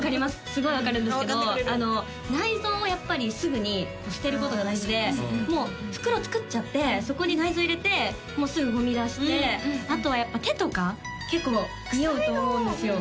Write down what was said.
すごい分かるんですけど内臓をやっぱりすぐに捨てることが大事でもう袋つくっちゃってそこに内臓入れてすぐゴミ出してあとはやっぱ手とか結構におうと思うんですよ